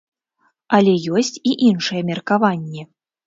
Але ёсць і іншыя меркаванні.